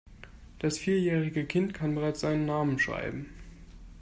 Das vierjährige Kind kann bereits seinen Namen schreiben.